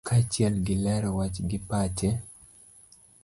kaachiel gi lero wach gi pache